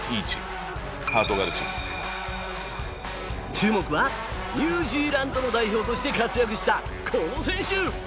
注目はニュージーランドの代表として活躍した、この選手。